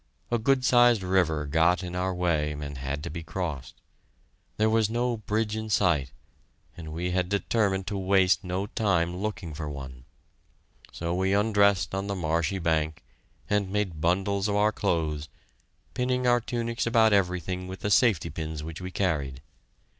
A good sized river got in our way and had to be crossed. There was no bridge in sight, and we had determined to waste no time looking for one. So we undressed on the marshy bank and made bundles of our clothes, pinning our tunics about everything with the safety pins which we carried.